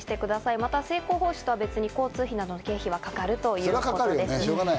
また、成功報酬とは別に交通費などの経費はかかるということです。